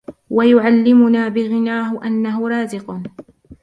وَيُعْلِمَنَا بِغِنَاهُ أَنَّهُ رَازِقٌ